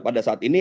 pada saat ini